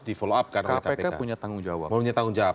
di follow upkan oleh kpk kpk punya tanggung jawab